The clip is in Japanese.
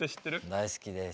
大好きです。